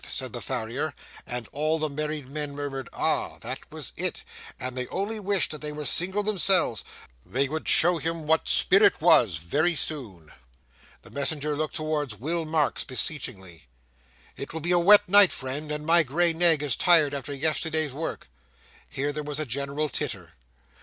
said the farrier; and all the married men murmured, ah! that was it, and they only wished they were single themselves; they would show him what spirit was, very soon. The messenger looked towards Will Marks beseechingly. 'It will be a wet night, friend, and my gray nag is tired after yesterday's work—' Here there was a general titter.